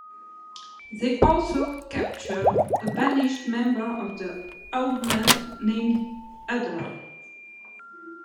They also capture a banished member of the Augments named Udar.